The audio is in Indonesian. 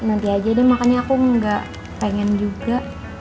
nanti aja deh makannya aku gak pengen juga